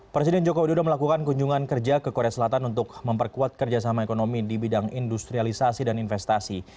presiden joko widodo melakukan kunjungan kerja ke korea selatan untuk memperkuat kerjasama ekonomi di bidang industrialisasi dan investasi